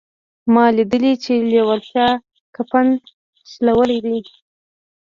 ما ليدلي چې لېوالتیا کفن شلولی دی.